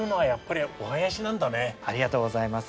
ありがとうございます。